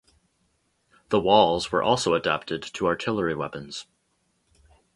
The walls were also adapted to artillery weapons.